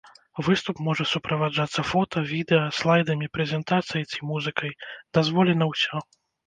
Выступ можа суправаджацца фота, відэа, слайдамі прэзентацыі ці музыкай, дазволена ўсё.